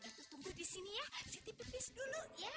datuk tunggu di sini ya siti pipis dulu ya